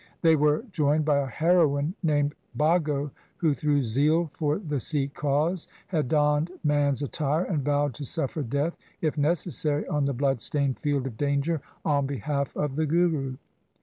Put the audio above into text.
They were joined by a heroine named Bhago, who through zeal for the Sikh cause had donned man's attire and vowed to suffer death if necessary on the bloodstained field of danger on behalf of the Guru.